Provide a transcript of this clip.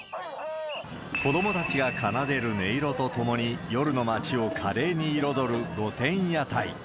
子どもたちが奏でる音色とともに夜の街を華麗に彩る御殿屋台。